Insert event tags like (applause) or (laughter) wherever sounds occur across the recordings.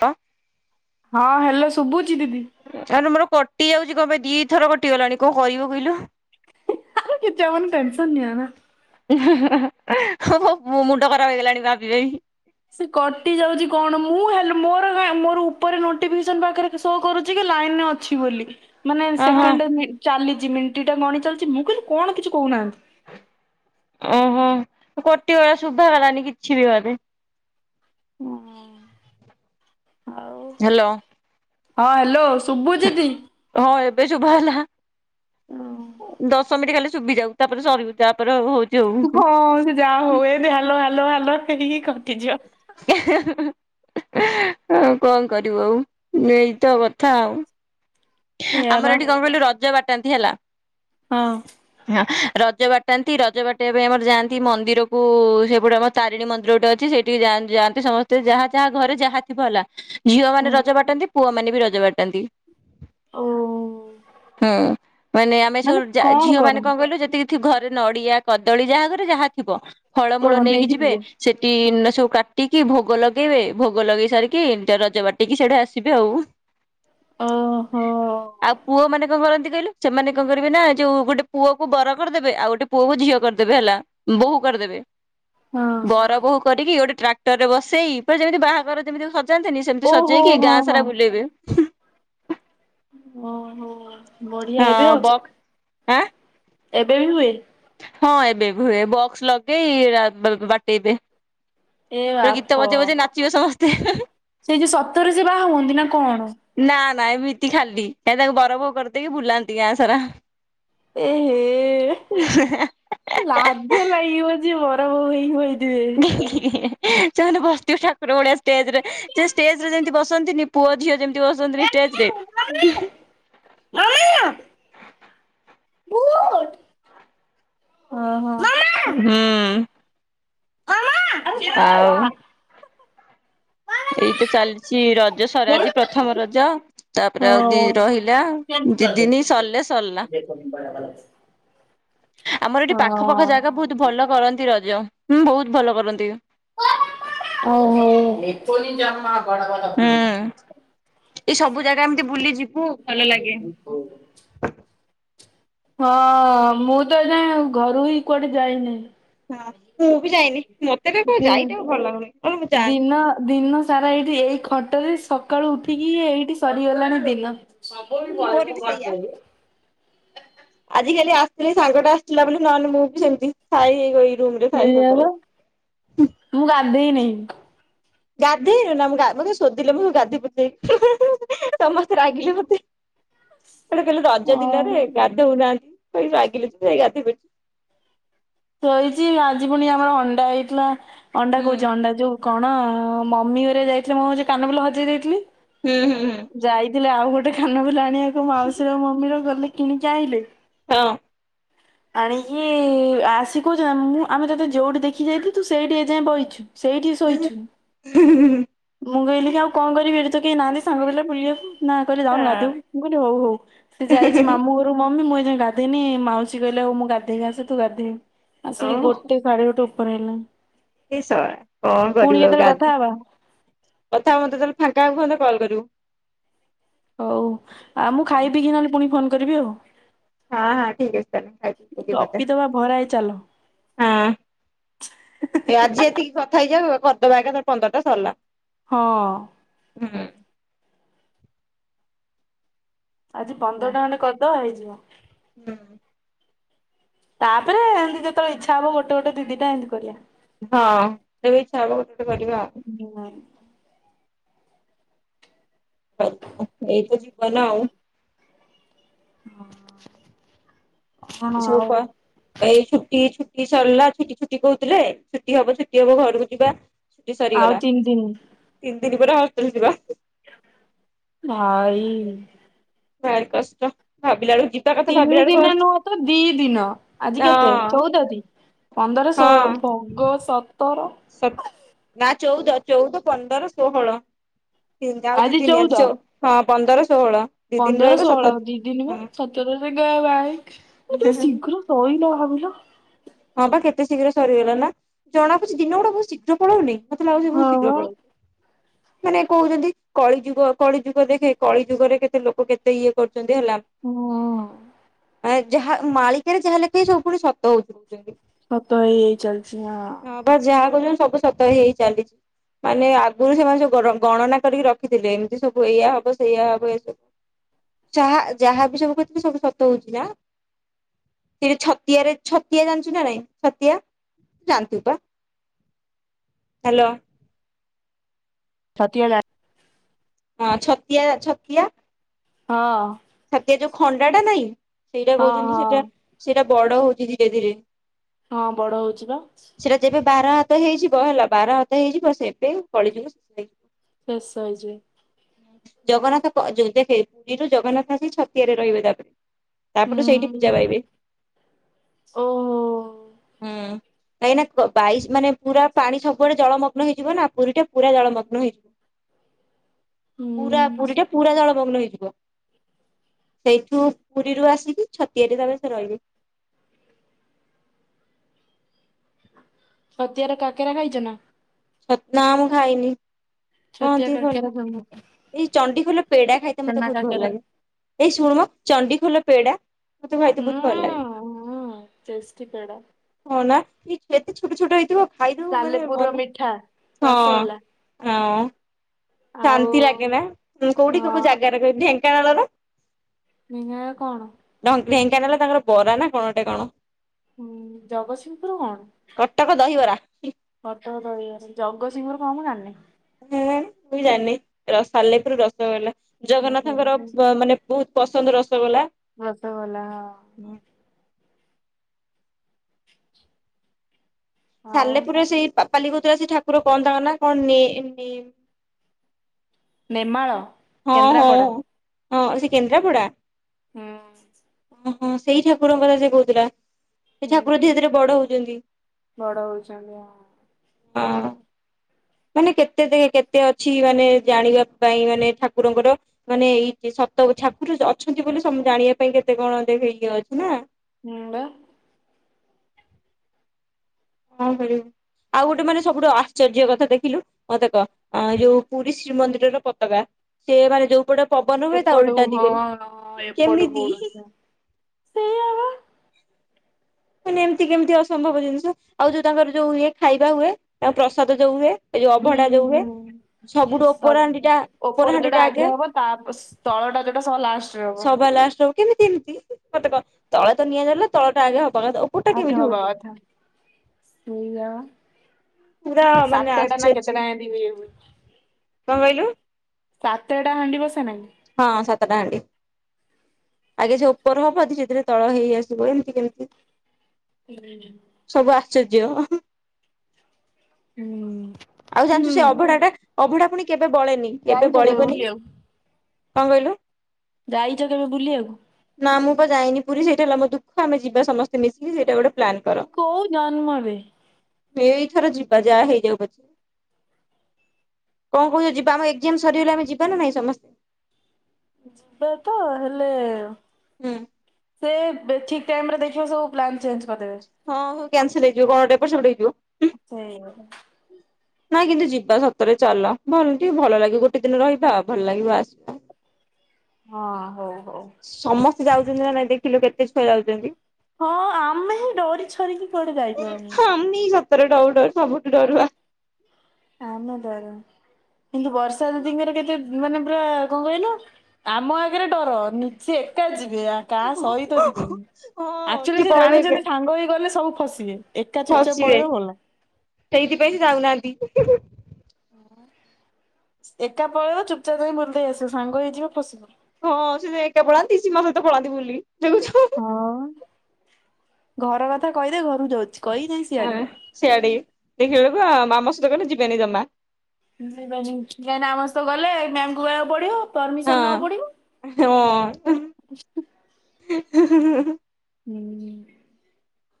ତ (unintelligible) ହଁ ହାଲୋ ଶୁଭୁଛି ଦିଦି। ଆଲୋ ମୋର କଟି ଯାଉଛି କଣ ପାଇଁ ଦିଥର କଟିଗଲାଣି କଣ କରିବ କହିଲୁ। ହେ କିଛି ହ ଟେନସନ ନଆନା (unintelligible) ମୋ ମୁଣ୍ଡ ଖରାପ ହେଇଗଲାଣି ଭାବି ଭାବି (unintelligible) ସେ କଟି ଯାଉଛି କଣ ମୁଁ ହେଲେ ମୋର ମୋର ଉପରେ ନୋଟିଫିକେସନ ପାଖରେ ସୋ କରୁଛି କି ଲାଇନ୍ ରେ ଅଛି ବୋଲି। ମାନେ ଓହୋ ସେକେଣ୍ଡ ମି ଚାଲିଛି ମିନିଟ୍ ଟା ଗଣି ଚାଲିଛି ମୁଁ କହିଲି କି କଣ କିଛି କହୁନାହାନ୍ତି। ଓହୋ ତ କଟି ଗଲା ଶୁଭା ଗଲାନି କିଛି ବି ଘରେ ହଁ ହ୍ୟାଲୋ ହାଲୋ। ଶୁଭୁଛି ଟି? ହଁ ଏବେ ଶୁଭାହେଲା। ଦଶ ମିନିଟ୍ ଖାଲି ଶୁଭିଯାଉ ତାପରେ ସରିବୁ ତାପରେ ହଉ - ହଉଚି। ହଁ ସେ ଯାହା ହଉ ଏବେ ହଲୋ ହେଲୋ ହେଲୋ ହେଇକି କଟିଯବ। ହଉ କଣ କରିବୁ ଆଉ ଏଇତ କଥା ଆଉ (unintelligible) ଏଇଆ ବା ଆମର ଏଠି କଣ କହିଲୁ ରଜ ବାଟାନ୍ତି ହେଲା। ହଁ। ହଁ ରଜ ବାଟାନ୍ତି ରଜ ବାଟିବା ପାଇଁ ଆମର ଯାଆନ୍ତି ମନ୍ଦିରକୁ ସେପଟେ ଆମର ତାରିଣୀ ମନ୍ଦିର ଗୋଟେ ଅଛି ସେଇଠି ଯାଆନ୍ତି ଯାଆନ୍ତି ସମସ୍ତେ ଯାହା ଯାହା ଘରେ ଯାହା ଥିବ ହେଲା। ହୁଁ ଝିଅମାନେ ରଜ ବାଟାନ୍ତି ପୁଅମାନେ ବି ରଜ ବାଟାନ୍ତି। ଓ। ହୁଁ ମାନେ ଆମେ ସବୁ ଯା କଣ ଝିଅ ମାନେ କରନି କଣ କହିଲୁ ଯେତିକି ଥି ଘରେ ନଡିଆ କଦଳୀ ଯାହା ଘରେ ଯାହା ଥିବ ଫଳମୂଳ ନେଇକି ଯିବେ ସେଠି ହଁ ସବୁ କା କାଟିକି ଭୋଗ ଲଗେଇବେ ଭୋଗ ଲଗେଇ ସାରିକି ଏମିତି ରଜ ବାଟେଇକି ସିଆଡ଼ୁ ଆସିବେ ଆଉ। ଓହୋ। ଆଉ ପୁଅ ମାନେ କଣ କରନ୍ତି କହିଲୁ? ସେମାନେ କଣ କରିବେ ନା ଯୋଉ ଗୋଟେ ପୁଅ କୁ ବର କରିଦେବେ ଆଉ ଗୋଟେ ପୁଅ କୁ ଝିଅ କରିଦେବେ ହେଲା। ବୋହୁ କରିଦେବେ। ହଁ। ବର ବୋହୁ କରିକି ଗୋଟେ ଟ୍ରାକ୍ଟର ରେ ବସେଇ ପ ଯେମିତି ବାହାଘର ଯେମିତି ସଜାନ୍ତିନି ସେମିତି ଓହୋ ସଜେଇକି ହଁ ଗାଁ ହଁ ସାରା ବୁଲେଇବେ। ଓହୋ ବଢିଆ ଏବେ ହଁ ହଉଛି। ବକ୍ ଆଁ ଏବେ ବି ହୁଏ। ହଁ ଏବେ ବି ହୁଏ ବକ୍ସ ଲଗେଇ ବା-ବାଟେଇବେ (unintelligible) ଏ ଗୀତ ବାପ ବଜେଇବେ ଜେ ନାଚିବେ ସମସ୍ତେ (unintelligible) ସେଇ ଯୋଉ ସତରେ ସେ ବାହା ହୁଅନ୍ତି ନା କଣ? ନା ନା ଏମିତି ଖାଲି କାଇଁ ତାଙ୍କୁ ବର ବୋହୁ କରି ଦେଇକି ବୁଲାନ୍ତି ଗାଁ ସାରା ଏ ହେ ଲାଜଲାଗିବ। ଯିଏ ବର ବୋଉ ହେଇକି ବଇଥିବେ। ସେମାନେ ବସିଥିଵେ ଠାକୁର ଭଳିଆ ଷ୍ଟେଜେରେ ଯେ ଷ୍ଟେଜେ ରେ ଯେମିତି ବସନ୍ତିନେହି। ପୁଅ ଝିଅ ଯେମିତି ବସନ୍ତିନେହିଁ ଷ୍ଟେଜେ ରେ ଉଁ ହୁଁ। ଆମେ ନାଁ? ଭୁ ହଁ ହଁ ମା। ହୁଁ। ଆଉ। ଏଇତ ଚାଲିଛି ରଜ ସର ହଁ। ଆଜି ପ୍ରଥମ ରଜ। ତାପରେ ଆଉ ଦି ରହିଲା ଦିଦିନି ସରିଲେ ସରିଲା। ଆମର ଏଠି ପାଖ ପାାଖ ଜାଗା ବହୁତୁ ଭଲ କରନ୍ତି ରଜ ହୁଁ ବହୁତୁ ଭଲ କରନ୍ତି। (unintelligible) ଏ ସବୁ ଜାଗା ଏମିତି ବୁଲି ଯି (inaudible) ହଁ ମୁଁ ତ ଏଯାଏଁ ଘରୁ ହିଁ କୁଆଡେ ଯାଇନି। ହଁ ମୁଁ ବି ଯାଇନି। ମତେ କେତୋବୋଳେ ଯାଇତେଆଉ ଭଲଲାଗୁନେହିଁ ମୁଁ ଯାଏ। ତ ଦିନ। ତାର ଏଇଠି ଏଇ ଖଟରେ ସକାଳୁ ଉଠିକି ଏଇଠି ସରିଗଲାଣି ଦିନ। ମୋର ସବୁ (inaudible) ଆଜି କାଲି ଆସିଥିଲି ସାଙ୍ଗଟା ଆସିଥିଲା ବୋଲି ନହେଲେ ମୁଁ ବି ସେମିତି ସାଇ ହେଇରହିମି। ସେଇୟା ବା ମୁଁ ଗାଧେଇ ନେହିଁ। ଗାଧେଇନୁ ନା ମୁଁ ମତେ ଶୋଧିଲେ ମୁଁ ଗାଧେଇ ପଡି ଯାଇି ସମସ୍ତେ ରାଗିଲେ ମତେ। ଗୋଟେ କହିଲେ ରଜ ହଁ। ଦିନରେ ଗାଧୋଉନାହାନ୍ତି କହି ରାଗିଲେ ଯେ ଯାଇ ଗାଧେଇପଲି। ଶୋଇଚି ଆଜି ପୁଣି ଆମର ଅଣ୍ଡା ହେଇଥିଲା ଅଣ୍ଡା ହୁଁ କହୁଚି ଅଣ୍ଡା ଯୋଉ କଣ ମମି ଘରେ ଯାଇଥିଲେ ମୁଁ ହୋଉଚି କାନଫୁଲ ହଜେଇ ଦେଇଥିଲି। ହୁଁ ହୁଁ ହୁଁ। ଯାଇ ଥିଲେ ଆଉ ଗୋଟେ କାନଫୁଲ ଆଣିବାକୁ ମାଉସୀର ମମିର ଗଲେ କିଣିକି ଆଁଇଲେ। ହଁ। ଆଣିକି ଆସ୍ ଶିଏ କହୁଚନ୍ତି ମୁଁ ଆମେ ତତେ ଯୋଉଠି ଦେଖିକି ଯାଇଥିଲୁ ତୁ ସେଇଠି ଏ ଯାଏଁ ବଇଚୁ ସେଇଠି ଶୋଇଚୁ। ହୁଁ ହୁଁ ହୁଁ। ମୁଁ ଗହିଲିକି ଆଉ କଣ କରିବି ଏଠି ତ କେହି ନାହାନ୍ତି ସାଙ୍ଗ ପିଲା ବୁଲିବାକୁ। ନା କହିଲେ ଯାଉନୁ ହଁ ଗଧେଇବୁ ମୁ କହିଲି ହୋଉ ହୋଉ। ସେ ଯାଇଚି ମାମୁଁ ଘରୁ ମମି ମୁଁ ଏଯାଏଁ ଗାଧେଇନେହିଁ ମାଉସୀ କହିଲେ ହଉ ମୁଁ ଗାଧେଇକି ଆସେ ତୁ ଗାଧେଇବୁ। ଆସିକି ଓହୋ ଗୋଟେ ସାଢେ ଗୋଟେ ଉପରେ ହେଲାଣି। ଏ ସଳା କଣ ପୁଣି କରିବୁ ଆଉ କେତେବେଳେ କଥା ଗାଧେ ହବା କଥା ହବା ମତେ ଯେତେଳେ ଫାଙ୍କା ହବ ମତ କଲ୍ କରିବୁ। ହଉ ଆ ମୁଁ ହଁ ଖାଇ ପିକି ନହେଲେ ପୁଣି ଫୋନ୍ କରିବି ଆଉ। ହଁ ହଁ ଠିକ୍ ଅଛି ତାନେ। ଗପିଦବା ଭରାଏ ଚାଲ (inaudible) ହଁ ଏ ଆଜି ଏତିକି କଥା ହେଇଯାଉ କରିଦବା ଏକାଥରେ ପନ୍ଦରଟା ସରିଲା‌। ହଁ। ହୁଁ। ଆଜି ପନ୍ଦରଟା ଖଣ୍ଡେ କରିଦବା ହେଇଯିବ। ଦୁଁ। ତାପରେ ଏମିନ୍ତି ଯେତୋବେଳେ ଇଚ୍ଛା ହବ ଗୋଟେ ଗୋଟେ ଦି ଦି ଟା ଏମିନ୍ତି କରିବା। ବାଉ ତେବେ ଇଚ୍ଛା ହବ ଗୋଟେ ଗୋଟେ କରିବା। ହଁ। ହଉ ଏଇ ତ ଜୀବନ ଆଉ। ହଁ। ଏସବୁ ଆଉ ପା ଏଇ ଛୁଟି ଛୁଟି ସରିଲା ଛୁଟି ଛୁଟି କହୁଥିଲେ ଛୁଟି ହବ ଛୁଟି ହବ ଘରୁକୁ ଯିବା ଛୁଟି ଆଉ ସରିଗଲା ତିନି ଦିନି ତିନି ଦିନ ପରେ ହେଷ୍ଟେଲ୍ ଯିବା। ଭାଇ ଭାରି କଷ୍ଟ ଭାବିଲା ବେଳକୁ ଯିବ୍ ଆ ତିନି ଦିନ ନୁହଁ ତ ଦି ଦିନ ଆଜି କେତେ ହଁ ଚଉଦ ଟି। ପନ୍ଦର ଷୋହଳ ଭଗ ସତର। ସତ୍ ନା ଚଉଦ ଚଉଦ, ପନ୍ଦର, ଷୋହଳ। ନି ଆଉ ଦି ଦିନି ଆଜି ଚ ହଁ ପନ୍ଦର, ଷୋହଳ। ଦି ଦିନ ପନ୍ଦର ରହିବ ଷୋହଳ ସତର ଦି ଦିନ ହଁ ବା ସତରରେ ଗା ବାଇକ ଏତେ ଶୀଘ୍ର ସଇଲା ଭାବିଲ। ହଁ ବା କେତେ ଶୀଘ୍ର ସରିଗଲା ନା ଜଣା ପଡୁଛି ଦିନ ଗୁଡା ବହୁତ ଶୀଘ୍ର ପଳଉନି? ମତେ ଲଗୁଚି ହଁ ବହୁତ ବା ଶୀଘ୍ର ପଳଉଚି। ମାନେ କହୁଚନ୍ତି କଳି ଯୁଗ କଳି ଯୁଗ ଦେଖେ କଳି ଯୁଗରେ କେତେ ଲୋକ କେତେ ଇଏ କରୁଚନ୍ତି ହେଲା। ହୁଁ। ଏଁ ଯାହା ମାଳିକାରେ ଯାହା ଲେଖାହେଇ ସବୁ ପୁଣି ସତ ହଉଚି କହୁଚନ୍ତି। ସତ ହେଇ ହେଇ ଚାଲିଛି ଆଁ ହଁ ବା ଯାହା କହୁଛନ୍ତି ସବୁ ସତ ହେଇ ହେଇ ଚାଲିଛି। ମାନେ ଆଗରୁ ସେମାନେ ସବୁ ଗ ଗଣନା କରିକି ରଖିଥିଲେ ଏମିତି ସବୁ ଏଇଆ ହବ ସେଇୟା ହବ ଏ ସବୁ ଯହା ଯାହା ବି ସବୁ କହିିଥିଲେ ସବୁ ସତ ହଉଛି ନା। ସେ ଯଉ ଛତିଆରେ ଛ ତିଆ ଜାଣିଛୁ ନା ନାଇଁ ଛତିଆ ଜାଣିଥିବୁ ପା, ହ୍ୟାଲୋ ଷାଠିଏ ହଜାର ହଁ ଛତିଆ ଛତିଆ ହଁ ଛାତିଆ ଯୋଉ ଖଣ୍ଡାଟା ନାଇଁ ସେଇଟା ହଁ କହୁଛନ୍ତି ସେଇଟା ହଁ ସେଇଟା ବଡ ହଉଛି ଧୀରେ ଧୀରେ। ହଁ ବଡ ହଉଛି ବା। ସେଟା ଯେବେ ବାର ହାତ ହେଇଯିବ ହେଲା ବାର ହାତ ହେଇଯିବ ସେବେ କଳି ଯୁଗ ଶେଷ ହେଇଯିବ। ଶେଷ ହେଇଯିବ। ଜଗନ୍ନାଥ ଯୋଉ ଦେଖେ ପୁରୀରୁ ଜଗନ୍ନାଥ ଆସି ଛତିଆରେ ରହିବେ ତାପରେ। ତାପରଠୁ ସେଇଠି ହୁଁ ପୂଜା ପାଇବେ ଓହୋ ହୁଁ। କାହିଁକି ନା ବାଇଶ ମାନେ ପୁରା ପାଣି ସବୁଆଡେ ଜଳମଗ୍ନ ହେଇଯିବ ନା ପୁରୀ ଟା ପୁରା ଜଳମଗ୍ନ ହେଇଯିବ। ହୁଁ ପୁରା ପୁରୀ ଟା ପୁରା ଜଳମଗ୍ନ ହେଇଯିବ। ସେଇଠୁ ପୁରୀରୁ ଆସିକି ଛତିଆରେ ତାପରେ ସେ ରହିଵେ। ଛତିଆର କାକେରା ଖାଇଛ ନା? ସତନା ନା ମୁଁ ଖାଇନି। ଛତିଆ କହନ୍ତି ଭଲ କାକରା ଫେମସ। ଏଇ ଚଣ୍ଡି ଖୋଲ ପେଡା ଖାଇତେ ମତେ ବହୁତ ଭଲ କାକେରା ଲାଗେ ଏଇ ଶୁଣୁମ ଚଣ୍ଡି ଖୋଲ ପେଡା ମତେ ଖାଇତେ ବହୁତ ଭଲ ଲାଗେ। ହୁଁ ଟେଷ୍ଟି ପେଡା ହଁ ନା ଏତେ ଛୋଟ ଛୋଟ ହେଇଥିବ ଖାଇଦବ ମାନେ ସାଲେପୁରର ମନ ମିଠା ହଁ। ରସଗୋଲା ହଁ ଆଉ ଶାନ୍ତି ଲାଗେ ନା କୋଉଠି ହଁ କୋଉ ଜାଗାରେ କହିବି ଢେଙ୍କାନାଳ ର ଢେଙ୍କାନାଳ କଣ? ଢ଼ ଢ଼େଙ୍କାନେଲା ତାଙ୍କର ବରା ନା କଣ ଗୋଟେ କଣ ହୁଁ ଜଗତସିଂହପୁର କଣ? କଟକ ଦହିବରା। କଟକ ଦହିବରା ଜଗତସିଂହପୁର କଣ ମୁ ଜାଣିନି। ହୁଁ ମୁଇଁ ଜାଣିନି ର ସାଲେପୁର ରସଗୋଲା ଜଗନ୍ନାଥଙ୍କର ବ ମାନେ ବୋହୁତ ପସନ୍ଦ ରସଗୋଲା। ରସଗୋଲା ହଁ। ନାଁ ଆଉ ସାଲେପୁର ସେଇ ପାପାଲି କହୁଥିଲା ସେ ଠାକୁର କନ ତାଙ୍କ ନା କଣ ନି ନି ନେମାଳ ହଁ ହଁ କେନ୍ଦ୍ରାପଡା ହଁ ସେ କେନ୍ଦ୍ରାପଡ଼ା। ହୁଁ। ଓହୋ ସେଇ ଠାକୁରଙ୍କର ସେ କୋହୁଥିଲା। ସେ ହୁଁ ଠାକୁର ଧୀରେ ଧୀରେ ବଡ଼ ହଉଛନ୍ତି। ବଡ ହଉଛନ୍ତି ହଁ ହଁ ମାନେ କେତେ ଦେ କେତେ ଅଛି ମାନେ ଜାଣିବା ପାଇଁ ମାନେ ଠାକୁରଙ୍କର ମାନେ ଏଇ ସତ ଠାକୁର ଅଛନ୍ତି ବୋଲି ସ ଜାଣିବା ପାଇଁ କେତେ କଣ ଦେଖେ ଇଏ ଅଛି ନା। ହୁଁ ବା। ହଁ ଖେଳିବୁ ଆଉ ଗୋଟେ ମାନେ ସବୁଠୁ ଆଶ୍ଚର୍ଯ୍ୟ କଥା ଦେଖିଲୁ ମତେ କହ ଅ ଯୋଉ ପୁରୀ ଶ୍ରୀମନ୍ଦିରର ପତାକା ସେ ମାନେ ଯୋଉପଟ ପବନ ହୁଏ ତା ଏପଟକୁ ଓଲଟା ହଁ ହଁ ଦିଗରେ ଏପଟକୁ କେମିତି? ଉଡୁଛି ସେଇଆ ବା ମାନେ ଏମିତି କେମିତି ଅସମ୍ଭବ ଜିନିଷ ଆଉ ଯୋଉ ତାଙ୍କର ଯୋଉ ଇଏ ଖାଇବା ହୁଏ ଆଉ ପ୍ରସାଦ ଯୋଉ ହୁଏ। ଏଇ ଯୋଉ ଅଭଡ଼ା ହୁଁ ଯୋଉ ହୁଏ ହୁଁ। ସବୁଠୁ ଓପର ସବ ହାଣ୍ଡିଟା ଉପର ଯୋଉଟା ହାଣ୍ଡିଟା ଆଗେ ହବ ତା ସ ତଳଟା ଯୋଟା ସବା ଲାଷ୍ ସବା ଲାଷ୍ଟ ହବ କେମିତି ଏମିତି ମତେ କ ତଳେ ତ ନିଆଁ ଜଳିଲା ତଳଟା ଆଗେ ହବା କଥା ଓ ଆଗେ ହବା କଥା ସେୟା। ପୁରା ମାନେ ସାତେଟା ନା ଆଶ୍ଚର୍ଯ୍ୟ କେତେଟା ଏମିତି ଇଏ ହୁଏ। କଣ କହିଲୁ? ସାତେଟା ହାଣ୍ଡି ବସେନା ବେ? ହଁ ସାତଟା ହାଣ୍ଡି। ଆଗେ ସେ ଓପର ହବ ଧୀରେ ଧୀରେ ତଳ ହେଇ ଆସିବ ଏମିତି କେମିତି? ହୁଁ। ସବୁ ଆଶ୍ଚର୍ଯ୍ୟ। ହୁଁ। ଆଉ ଜାଣିଚୁ ହୁଁ ସେ ଅଭଡ଼ାଟା ଅଭଡ଼ା ପୁଣି କେବେ ବଳେନି କେବେ ଯାଇଛ ବଳିବନି। ବୁଲିବାକୁ? କଣ କହିଲୁ? ଯାଇଚ କେବେ ବୁଲିବାକୁ? ନା ମୁଁ ପା ଯାଇନି ପୁରୀ ସେଇଟା ଲା ମୋ ଦୁଃଖ ଆମେ ଯିବା ସମସ୍ତେ ମିଶିକି ସେଇଟା ଗୋଟେ ପ୍ଲାନ୍ କର। କୋଉ ଜନ୍ମରେ? ଏଇଥର ଯିବା ଯାହା ହେଇ ଯାଉ ପଛେ। କଣ କହୁଛ ଯିବା ଆମ ଏକ୍ଜାମ ସରିଗଲେ ଆମେ ଯିବା ନା ନାଇଁ ସମସ୍ ଯିବା ତ ହେଲେ ହୁଁ। ସେ ବେ ଠିକ୍ ଟାଇମ୍ ରେ ଦେଖିବ ସବୁ ପ୍ଲାନ୍ ଚେଞ୍ଜ କରିଦେବେ। ହଁ ହୋଉ କ୍ୟାନସଲ ହେଇଯିବ କଣ ଗୋଟେ ଏପଟ ସେପଟ ହେଇଥିବ। ହୁଁ। ହୁଁ ନାଇଁ କିନ୍ତୁ ଯିବା ସତରେ ଚାଲ ଭଲ ଟିକେ ଭଲ ଲାଗିବ ଗୋଟେ ଦିନ ରହିବା ଆଉ ଭଲ ଲାଗିବ ଆସିବା। ହଁ ହଉ। ହଉ। ସମସ୍ତେ ଯାଉଛନ୍ତି ନା ନାଇଁ ଦେଖିଲୁ କେତେ ଛୁଆ ଯାଉଛନ୍ତି। ହଁ ଆମେ ହିଁ ଡରି ଛରିକି କୁଆଡେ ଯାଇପାରୁନେ। ଆମେ ଡରୁ ଡରୁ ସବୁ ଡରୁଆ। ଆମ (unintelligible) କିନ୍ତୁ ବର୍ଷା ଦିଦିଙ୍କର କେତେ ମାନେ ପୁରା କଣ କହିଲ ଆମ ଆଗରେ ଡର ନିଜେ ଏକା ଯିବେ ଆ କାହା ସହିତ ଯିବେନି। ହଁ ଆକ୍ଚୁଆଲି ସିଏ ସେ ପଳେଇବେ ଏକା ଜାଣିଛନ୍ତି ସାଙ୍ଗ ହେଇ ଗଲେ ସବୁ ଫସିବେ ଏକା ଚୁପଚାପ ଫସିବେ ପଳେଇବେ ଭଲ। ସେଇଥିପାଇଁ ସେ ଯାଉନାହାନ୍ତି। ଏକା ପଳେଇବ ଚୁପଚାପ୍ ଜାଇ ବୁଲି ଦେଇ ଆସିବ, ସାଙ୍ଗ ହେଇଯିବ ଫଶିବ। ହଁ ସେ ଏକେ ପଳାନ୍ତି ସୀମା ସହିତ ପଳାନ୍ତି ବୋଲି ଦେଖୁଛ। ହଁ ଘର କଥା କହିଦେ ଘରୁକୁ ଯାଉଛି କହି (unintelligible) ସିଆଡେ ଦେଖିବା ବେଳକୁ ମାମା ସହିତ କହିଲେ ଯିବେନି ଜମା। କାଇଁକିନା ଆମ ସହିତ ଗଲେ ମ୍ୟାମକୁ କହିବାକୁ ପଡିବ। ପରମିସନ ହଁ ନେବାକୁ ପଡିବ। ହଁ (inaudible) ହୁଁ।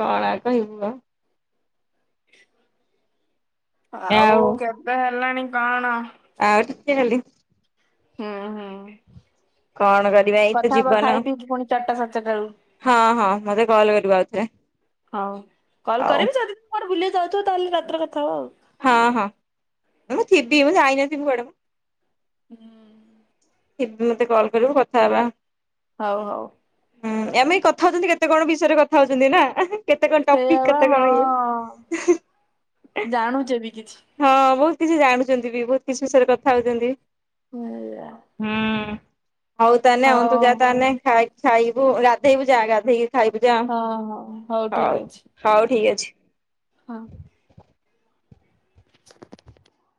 କଣ କହିବୁ ଆଉ? ଆଉ କେବେ ହେଲାଣି କଣ? ଆ ଟିକେ ହେଲଦି। ହୁଁ ହୁଁ କଣ କରିବା ଏଇତ କଥା ହବା ଜୀବନ ଖାଇ ପିଇକି ପୁଣି ଚାରିଟା ସାଢେ ଚାରିଟା ବଳୁ। ହଁ ହଁ ମତେ କଲ କରିବ ଆଉଥରେ। ହଁ କଲ ହଉ କରିବି ଯଦି (unintelligible) ବୁଲିବାକୁ ଯାଉଥିବ ତାହେଲେ ରାତିରେ କଥା ହବା ଆଉ। ହଁ ହଁ ମୁଁ ଥିବି ମୁଁ ଯାଇନଥିବି କୁଆଡେ ମୁଁ। ହୁଁ। ଥିବି ମତେ କଲ୍ କରିବୁ କଥା ହବା। ହଉ ହଉ। ହୁଁ ଏମିତି କଥା ହଉଛନ୍ତି କେତେ କଣ ବିଷୟରେ କଥା ହଉଛନ୍ତି ନା। କେତେ କଣ ସେଇଆ ଟପିକ ବା କେତେ କଣ ହଁ ଇଏ। ଜାଣୁଛେ ବି କିଛି। ହଁ ବହୁତ କିଛି ଜାଣୁଛନ୍ତି ବି ବହୁତ କିଛି ବିଷୟରେ କଥା ହଉଛନ୍ତି। ହୁଁ। ହୁଁ ହଉ ତାହେଲେ ହଉ ତୁ ଯା ତାହେଲେ ଖାଇବୁ ଗାଧେଇବୁ ଯା ଗାଧେଇକି ଖାଇବୁ ଯା। ହଁ ହଉ ହଉ ଠିକ ଅଛି ହଉ ଠିକ ଅଛି। ହଁ। (unintelligible)